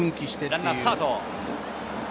ランナースタート。